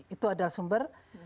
itu adalah sumber